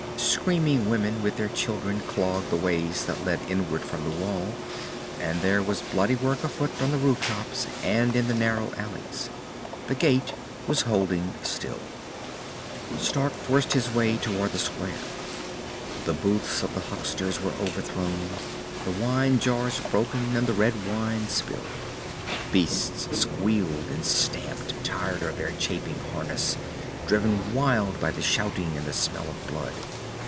Screaming women with their children clogged the ways that led inward from the Wall, and there was bloody work afoot on the rooftops and in the narrow alleys. The gate was holding, still. Stark forced his way toward the square. The booths of the hucksters were overthrown, the wine jars broken and the red wine spilled. Beasts squealed and stamped, tired of their chafing harness, driven wild by the shouting and the smell of blood.